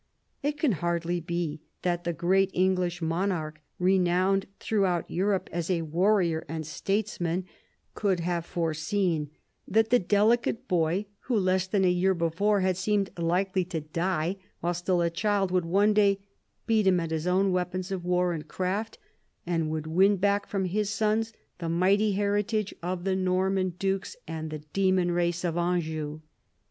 It can hardly be that the great English monarch, renowned throughout Europe as a warrior and statesman, could have foreseen that the deli *833?5 ii THE BEGINNINGS OF PHILIP'S POWER 29 cate boy, who less than a year before had seemed likely to die while still a child, would one day beat him at his own weapons of war and craft, and would win back from his sons the mighty heritage of the Norman dukes and the demon race of Anjou.